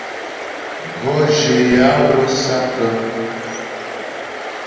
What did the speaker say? Gʉɔ́ jyə yaə̌ wə́ sǎk.